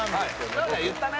僕はいそうだ言ったね